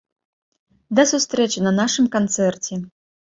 Да сустрэчы на нашым канцэрце!